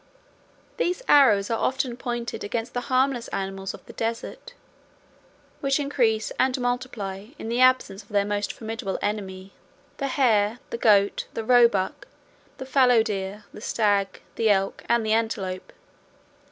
These arrows are often pointed against the harmless animals of the desert, which increase and multiply in the absence of their most formidable enemy; the hare, the goat, the roebuck, the fallow deer, the stag, the elk, and the antelope.